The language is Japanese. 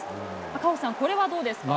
赤星さん、これはどうですか？